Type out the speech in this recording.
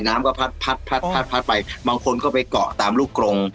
น้ำก็พัดพัดพัดไปบางคนก็ไปเกาะตามลูกกรง